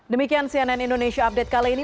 demikian cnn indonesia update kali ini